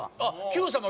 『Ｑさま！！』